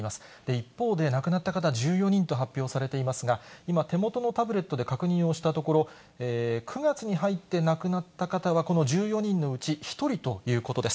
一方で、亡くなった方、１４人と発表されていますが、今、手元のタブレットで確認をしたところ、９月に入って亡くなった方はこの１４人のうち１人ということです。